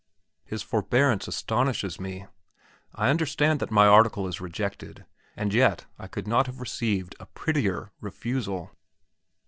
His forbearance astonishes me. I understand that my article is rejected, and yet I could not have received a prettier refusal.